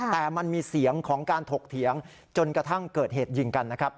แต่มันมีเสียงของการถกเถียงจนกระทั่งเกิดเหตุยิงกันนะครับ